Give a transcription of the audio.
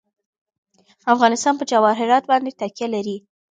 افغانستان په جواهرات باندې تکیه لري.